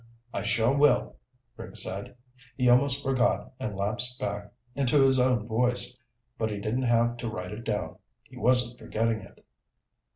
"I sure will," Rick said. He almost forgot and lapsed back into his own voice. But he didn't have to write it down. He wasn't forgetting it.